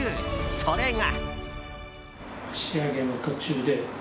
それが。